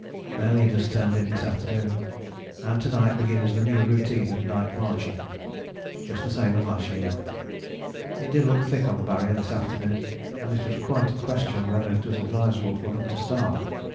Their leaders turned in this afternoon, and to night begins the new routine of night marching, just the same as last year. It did look thick on the Barrier this afternoon, and it was quite a question whether it was advisable for them to start.